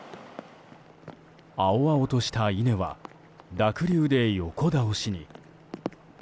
青々とした稲は濁流で横倒しに。